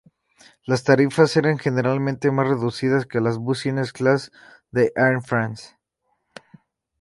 Las tarifas eran generalmente más reducidas que la Business Class de Air France.